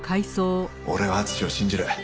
俺は敦を信じる。